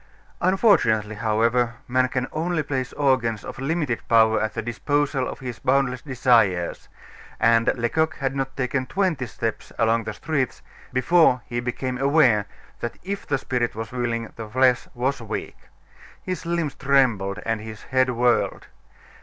Unfortunately, however, man can only place organs of limited power at the disposal of his boundless desires; and Lecoq had not taken twenty steps along the streets before he became aware that if the spirit was willing, the flesh was weak. His limbs trembled, and his head whirled.